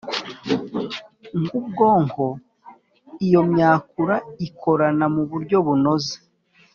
nk ubwonko Iyo myakura ikorana mu buryo bunoze